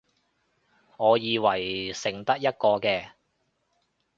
我以為剩得一個嘅